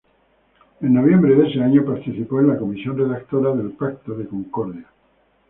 En noviembre de ese año participó en la comisión redactora del Pacto de Concordia.